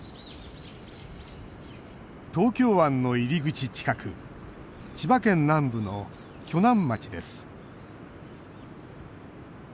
東京湾の入り口近く千葉県南部の鋸南町です。